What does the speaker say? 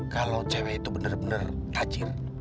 kalau cewek itu bener bener tajir